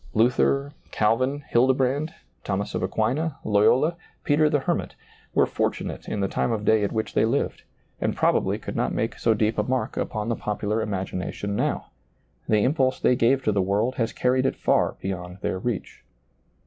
Luther, Calvin, Hilde brand, Thomas of Aquina, Loyola, Peter the her mit, were fortunate in the time of day at which they lived, and probably could not make so deep a mark upon the popular imagination now; the impulse they gave to the world has carried it far beyond their reach.